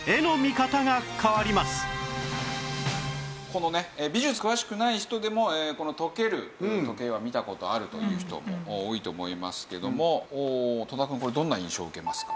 このこのね美術詳しくない人でもこの溶ける時計は見た事あるという人も多いと思いますけども戸田くんこれどんな印象を受けますか？